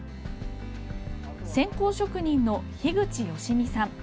線香職人の樋口喜巳さん。